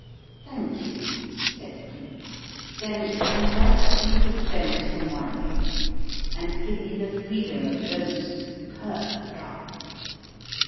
"Thank you," said Cleek. "Then invite me to spend to morrow here, and give me the freedom of those superb gardens.